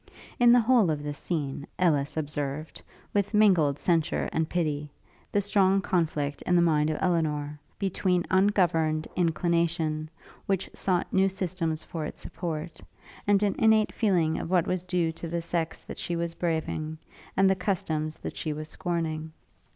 In the whole of this scene, Ellis observed, with mingled censure and pity, the strong conflict in the mind of Elinor, between ungoverned inclination, which sought new systems for its support; and an innate feeling of what was due to the sex that she was braving, and the customs that she was scorning.